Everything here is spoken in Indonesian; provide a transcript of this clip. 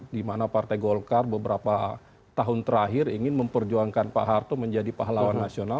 dimana partai golkar beberapa tahun terakhir ingin memperjuangkan pak harto menjadi pahlawan nasional